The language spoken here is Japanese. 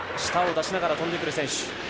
舌を出しながら飛んでくる選手。